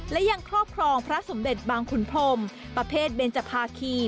และยังครอบครองพระสมเด็จบางขุนพรมประเภทเบนจภาคี